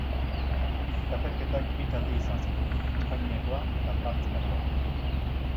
Txapelketak bi talde izan zituen: Espainiakoa eta Frantziakoa.